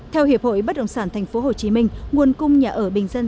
theo hiệp hội bất động sản thành phố hồ chí minh nguồn cung nhà ở bình dân